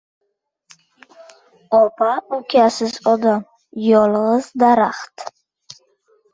• Opa-ukasiz odam — yolg‘iz daraxt.